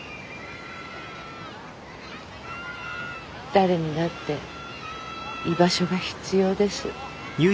誰にだって居場所が必要です。